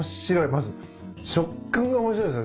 まず食感が面白いですね。